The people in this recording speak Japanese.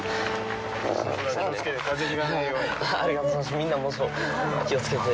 みんなもそう気をつけて。